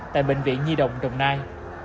tại bệnh viện nhi đồng đồng nai